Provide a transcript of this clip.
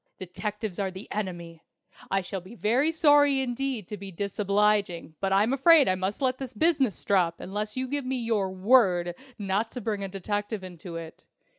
Detectives are the Enemy! I shall be very sorry indeed to be disobliging, but I'm afraid I must let this business drop unless you give me your word not to bring a detective into it.